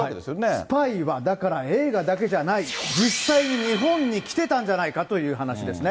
スパイは、だから映画だけじゃない、実際に日本に来てたんじゃないかという話ですね。